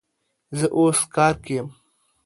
زه اوس کار کی یم